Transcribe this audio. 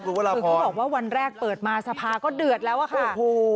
คือเขาบอกว่าวันแรกเปิดมาสภาก็เดือดแล้วอะค่ะ